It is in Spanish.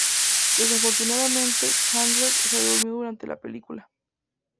Desafortunadamente, Chandler se duerme durante la película.